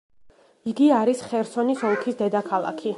იგი არის ხერსონის ოლქის დედაქალაქი.